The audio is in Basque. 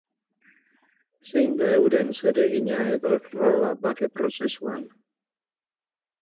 Zein da euren zeregina edo rola bake prozesuan?